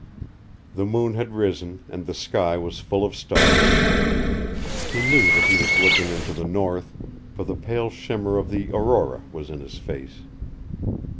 The moon had risen, and the sky was full of stars. He knew that he was looking into the north, for the pale shimmer of the aurora was in his face.